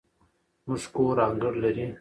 زموږ کور انګړ لري